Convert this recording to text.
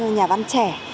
nhà văn trẻ